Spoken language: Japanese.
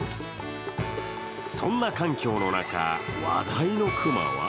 そんな環境の中、話題のクマは？